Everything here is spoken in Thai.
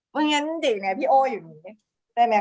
เพราะฉะนั้นจิ๊บแม่พี่โอ้อยู่นี้ได้ไหมคะ